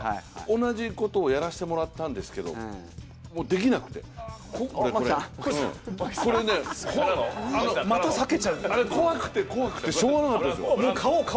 同じことをやらせてもらったんですけどできなくて、これね、怖くて怖くてしょうがなかったですよ。